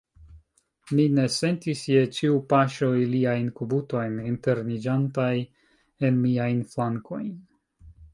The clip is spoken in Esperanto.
Mi ne sentis je ĉiu paŝo iliajn kubutojn interniĝantaj en miajn flankojn.